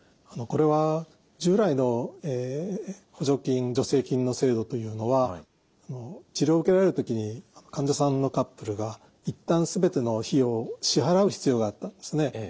これは従来の補助金助成金の制度というのは治療を受けられる時に患者さんのカップルが一旦全ての費用を支払う必要があったんですね。